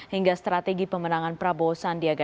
hingga strategi pemenangan prabowo sandiaga